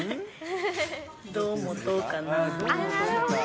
どう持とうかな。